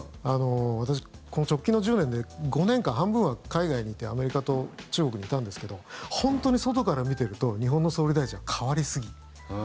私、直近の１０年で５年間半分は海外にいてアメリカと中国にいたんですけど本当に外から見てると日本の総理大臣は代わりすぎ。